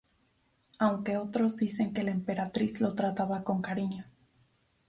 Aunque otros dicen que la emperatriz lo trataba con cariño.